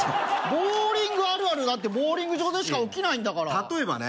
ボウリングあるあるだってボウリング場でしか起きないんだからいやいや例えばね